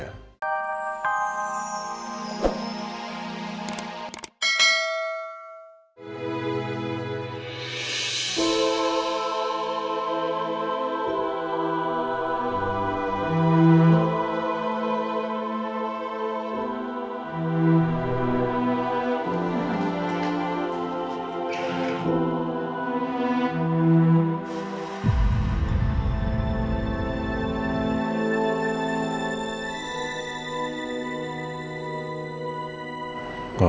tidak bisa dikira